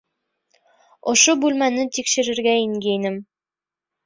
Ошо бүлмәне тикшерергә ингәйнем...